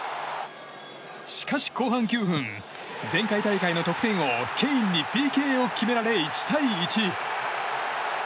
しかし後半９分前回大会の得点王ケインにＰＫを決められ１対１。